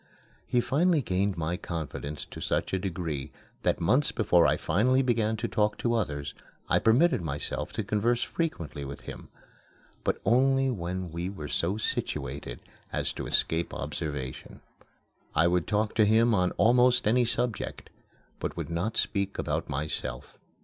He finally gained my confidence to such a degree that months before I finally began to talk to others I permitted myself to converse frequently with him but only when we were so situated as to escape observation. I would talk to him on almost any subject, but would not speak about myself.